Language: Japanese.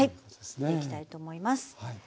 はい入れていきたいと思います。